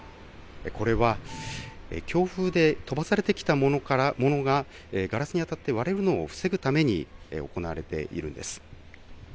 これは強風で飛ばされてきたものがガラスに当たって割れるのを防ぐために行われているんです。